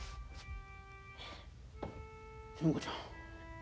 純子ちゃん。